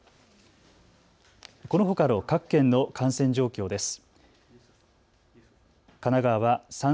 このほかの各県の感染状況です。